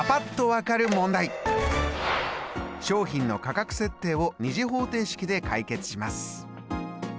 商品の価格設定を２次方程式で解決します！